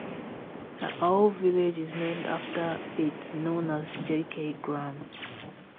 A whole village is named after it known as JayKay Gram.